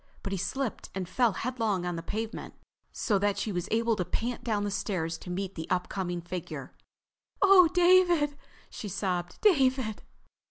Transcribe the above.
But he slipped and fell headlong on the pavement, so that she was able to pant down the stairs to meet the upcoming figure. "Oh, David," she sobbed, "David!"